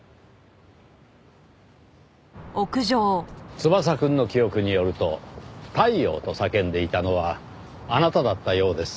翼くんの記憶によると「タイヨウ」と叫んでいたのはあなただったようです。